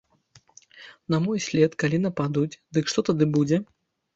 На мой след калі нападуць, дык што тады будзе?